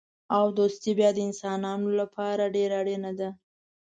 او دوستي بیا د انسانانو لپاره ډېره اړینه ده.